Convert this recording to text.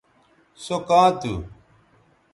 سو کاں تھو